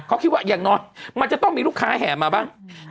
เขาคิดว่าอย่างน้อยมันจะต้องมีลูกค้าแห่มาบ้าง